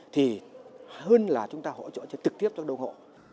thì hơn là chúng ta hỗ trợ trực tiếp cho đông hộ